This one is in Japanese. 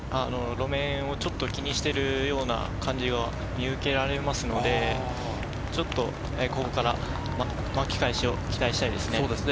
路面をちょっと気にしているような感じが見受けられますので、ちょっとここから巻き返しを期待したいですね。